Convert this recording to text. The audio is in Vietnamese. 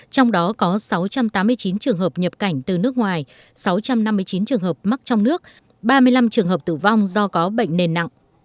trong đó có sáu trăm tám mươi chín trường hợp nhập cảnh từ nước ngoài sáu trăm năm mươi chín trường hợp mắc trong nước ba mươi năm trường hợp tử vong do có bệnh nền nặng